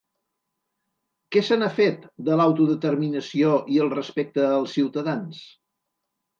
Què se n’ha fet, de l’autodeterminació i el respecte als ciutadans?